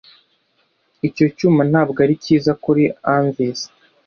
icyo cyuma ntabwo ari cyiza kuri anvils